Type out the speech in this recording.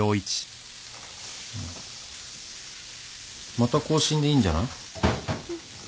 また更新でいいんじゃない？